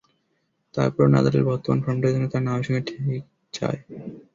তারপরও নাদালের বর্তমান ফর্মটা যেন তাঁর নামের সঙ্গে যেন ঠিক যায় না।